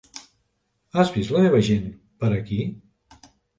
Has vist la meva gent, per aquí?